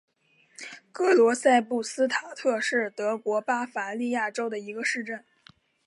格罗赛布斯塔特是德国巴伐利亚州的一个市镇。